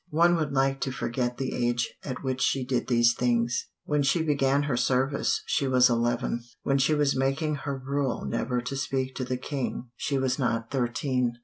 One would like to forget the age at which she did these things. When she began her service she was eleven. When she was making her rule never to speak to the King she was not thirteen.